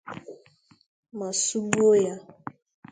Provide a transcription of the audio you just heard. ma sụgbuo ya